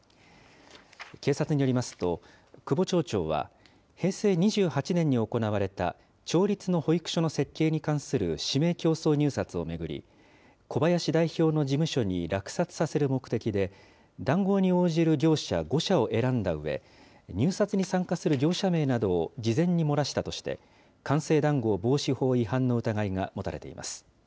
警察によりますと、久保町長は、平成２８年に行われた町立の保育所の設計に関する指名競争入札を巡り、小林代表の事務所に落札させる目的で、談合に応じる業者５社を選んだうえ、入札に参加する業者名などを事前に漏らしたとして、官製談合防止法違反の疑いが持たれています。